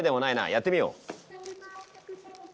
やってみよう。